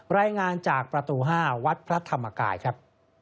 รายงานจากประตู๕วัดพระธรรมกายครับ